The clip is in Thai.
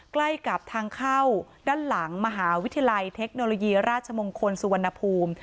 ใกล้กับทางเข้าด้านหลังมหาวิทยาลัยเทคโนโลยีราชมงคลสุวรรณภูมิ